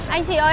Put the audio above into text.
anh chị ơi